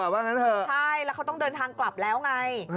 ใช่แล้วเขาต้องเดินทางกลับแล้วไง